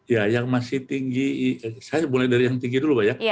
ya yang masih tinggi saya mulai dari yang tinggi dulu pak ya